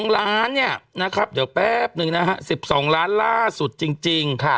๒ล้านเนี่ยนะครับเดี๋ยวแป๊บนึงนะฮะ๑๒ล้านล่าสุดจริง